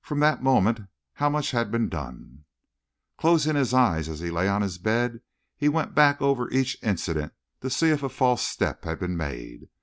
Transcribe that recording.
From that moment how much had been done! Closing his eyes as he lay on his bed, he went back over each incident to see if a false step had been made.